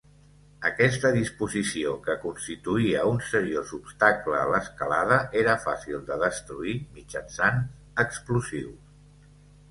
Aquesta disposició que constituïa un seriós obstacle a l'escalada, era fàcil de destruir mitjançant explosius.